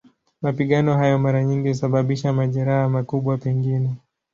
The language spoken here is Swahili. Mapigano hayo mara nyingi husababisha majeraha, makubwa pengine.